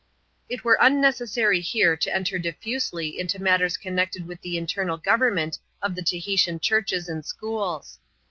It were unnecessary here to enter diffusely into matters coa nected with the internal government of the Taliitian churches and schools.